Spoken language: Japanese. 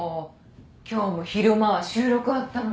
今日も昼間は収録あったのに。